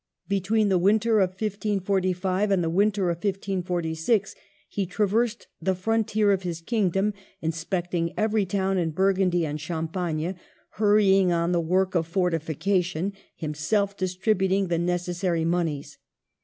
Between the winter of 1545 and the winter of 1546 he traversed the frontier of his kingdom, inspecting every town in Burgundy and Champagne, hurrying on the work of fortification, himself distributing the necessary moneys.